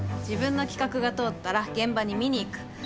自分の企画が通ったら現場に見に行く。